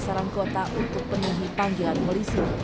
sarangkota untuk penuhi panggilan polisi